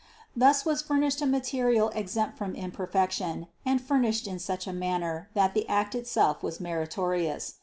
Thus was furnished a material exempt from imperfection and furnished in such a manner that the act itself was meritorious.